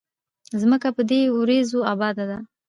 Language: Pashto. ځمکه په دې وريځو اباده ده